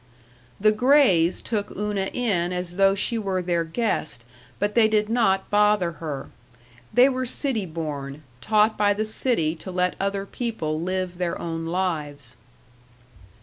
The Grays took Una in as though she were their guest, but they did not bother her. They were city born, taught by the city to let other people live their own lives.